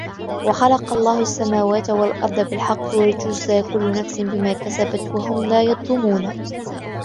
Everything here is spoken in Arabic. وخلق الله السماوات والأرض بالحق ولتجزى كل نفس بما كسبت وهم لا يظلمون